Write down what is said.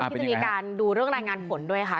ที่จะมีการดูเรื่องรายงานผลด้วยค่ะ